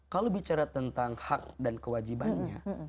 kalau bicara tentang hak dan kewajibannya